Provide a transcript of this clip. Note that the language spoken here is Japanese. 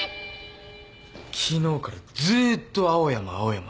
昨日からずっと青山青山。